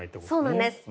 そうなんです。